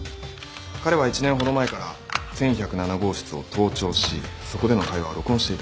彼は１年ほど前から１１０７号室を盗聴しそこでの会話を録音していた。